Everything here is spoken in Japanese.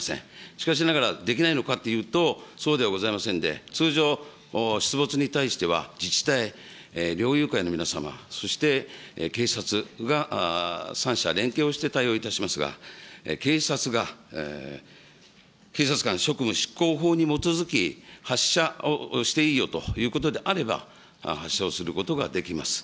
しかしながら、できないのかというと、そうではございませんで、通常、出没に対しては、自治体、猟友会の皆様、そして警察が３者連携をして対応いたしますが、警察が、警察官職務執行法に基づき、発射していいよということであれば、発射をすることができます。